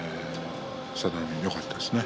佐田の海よかったですね。